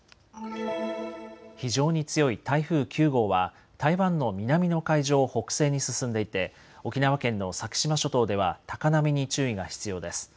非常に強い台風９号は台湾の南の海上を北西に進んでいて沖縄県の先島諸島では高波に注意が必要です。